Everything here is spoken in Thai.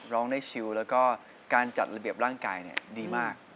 ร้องได้ชิวแล้วก็การจัดระเบียบร่างกายดีมาก